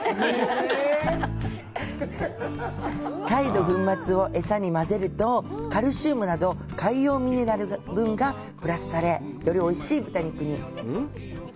貝の粉末を餌に混ぜるとカルシウムなど海洋ミネラル分がプラスされよりおいしい豚肉に。